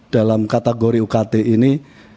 dalam kategori ukt ini